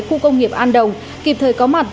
khu công nghiệp an đồng kịp thời có mặt